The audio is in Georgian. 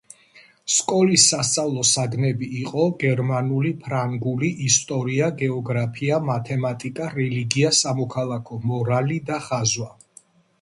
სკოლის სასწავლო საგნები იყო გერმანული, ფრანგული, ისტორია, გეოგრაფია, მათემატიკა, რელიგია, სამოქალაქო მორალი და ხაზვა.